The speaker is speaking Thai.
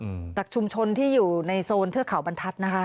อืมจากชุมชนที่อยู่ในโซนเทือกเขาบรรทัศน์นะคะ